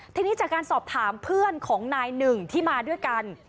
ทีนี้จากการสอบถามเพื่อนของนายหนึ่งที่มาด้วยกัน